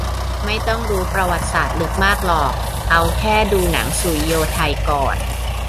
ไม่ต้องรู้ประวัติศาสตร์ลึกมากหรอกเอาแค่ดูหนังสุริโยไทก่อน